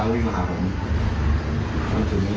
มีคนดี